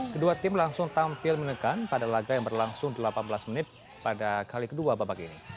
kedua tim langsung tampil menekan pada laga yang berlangsung delapan belas menit pada kali kedua babak ini